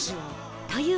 という